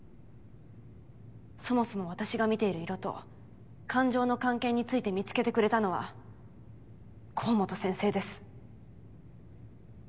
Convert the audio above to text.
そもそも私が見ている色と感情の関係について見つけてくれたのは甲本先生です。